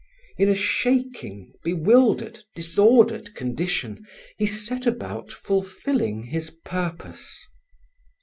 In a shaking, bewildered, disordered condition he set about fulfilling his purpose.